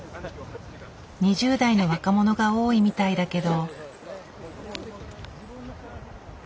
２０代の若者が多いみたいだけど。